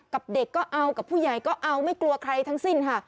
กับเด็กก็เอากับผู้ใหญ่ก็เอาไม่กลัวใครทั้งสิ้นค่ะ